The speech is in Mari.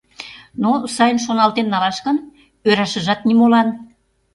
Но, сайын шоналтен налаш гын, ӧрашыжат нимолан.